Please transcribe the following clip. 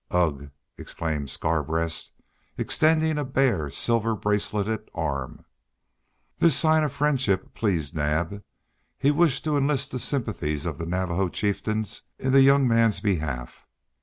"Ugh!" exclaimed Scarbreast, extending a bare silver braceleted arm. This sign of friendship pleased Naab. He wished to enlist the sympathies of the Navajo chieftains in the young man's behalf.